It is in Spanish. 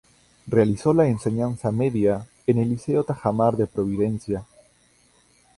Realizó la Enseñanza Media en el Liceo Tajamar de Providencia.